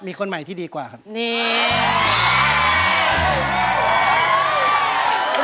มีคนใหม่ที่ดีกว่าครับนี่